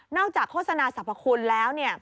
นอกจากโฆษณาสรรพคุณแล้ว